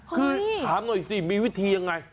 คือถามหน่อยสิมีวิธียังไง